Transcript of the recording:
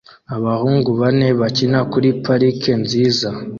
Abahungu bane bakina kuri parike nziza